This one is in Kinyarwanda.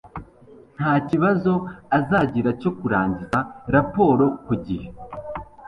nta kibazo azagira cyo kurangiza raporo ku gihe